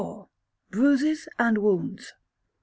Bruises and Wounds.